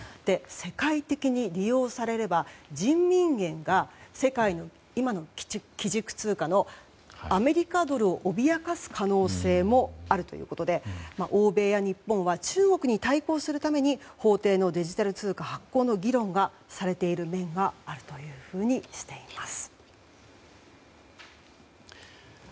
世界的に利用されれば人民元が今の世界の基軸通貨のアメリカドルを脅かす可能性もあるということで欧米や日本は中国に対抗するために法定のデジタル通貨発行の議論がされている面があるとしています。